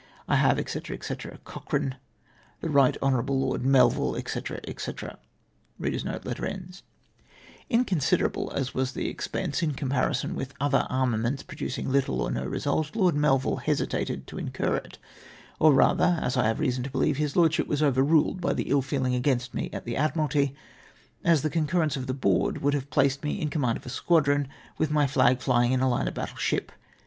" I have, &c. &c. " Cochrane. '' The Right Honoiu able Lord Melville, &c. &c." Liconsiderable as was the expense, in comparison with other armaments producing httle or no result, Lord Melville hesitated to incur it ; or rather, as I have reason to beheve, his lordship was overruled by the ill feehng against me at the Admiralty, as the con currence of the Board would have placed me in com mand of a squadron, with my flag flying in a hne of battle ship.